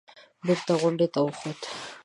بېرته غونډۍ ته وخوت.